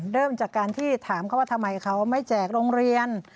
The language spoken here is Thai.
เริ่มจากการที่ถามเขาว่าทำไมเขาไม่แจกโรงเรียน